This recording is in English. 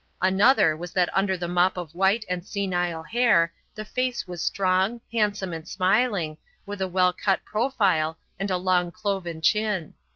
Another was that under the mop of white and senile hair the face was strong, handsome, and smiling, with a well cut profile and a long cloven chin.